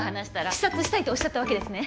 視察したいとおっしゃったわけですね？